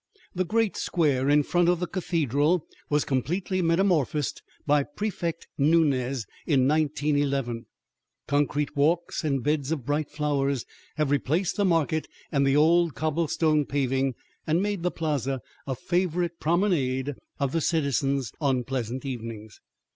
The great square in front of the cathedral was completely metamorphosed by Prefect Nuñez in 1911; concrete walks and beds of bright flowers have replaced the market and the old cobblestone paving and made the plaza a favorite promenade of the citizens on pleasant evenings.